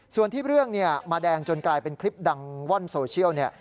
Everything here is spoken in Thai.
ส่วนที่เรื่องมาแดงจนกลายเป็นคลิปดังว่อนโซเชียล